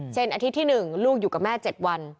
อาทิตย์ที่๑ลูกอยู่กับแม่๗วัน